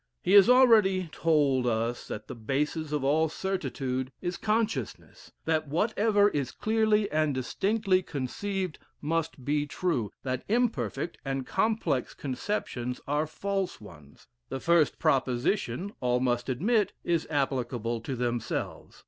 He has already told us that the basis of all certitude is consciousness that whatever is clearly and distinctly conceived, must be true that imperfect and complex conceptions are false ones. The first proposition, all must admit, is applicable to themselves.